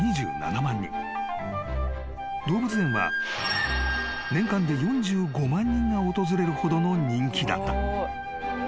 ［動物園は年間で４５万人が訪れるほどの人気だった］